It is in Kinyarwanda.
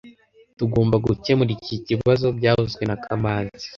Tugomba gukemura iki kibazo byavuzwe na kamanzi